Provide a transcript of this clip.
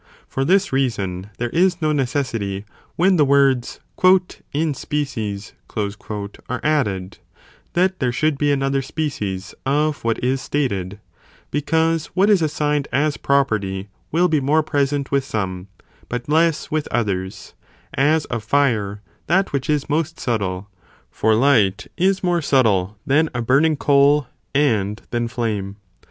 For this reason, there is no necessity, 458 ARISTOTLE'S ORGANON. [Book v. when the words "27 species" are added, that there should be another species of what is stated, because what is assigned as property will be more present with some, but less with others, as of fire that which is most subtle, for light is more subtle than a burning coal, and than flame.